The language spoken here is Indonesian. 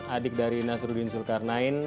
adik dari nasruddin sulkarnain